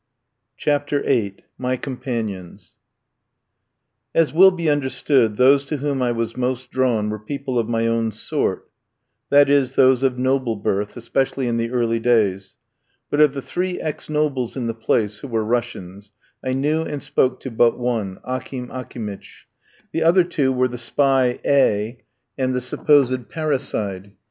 CHAPTER VIII. MY COMPANIONS As will be understood, those to whom I was most drawn were people of my own sort, that is, those of "noble" birth, especially in the early days; but of the three ex nobles in the place, who were Russians, I knew and spoke to but one, Akim Akimitch; the other two were the spy A n, and the supposed parricide.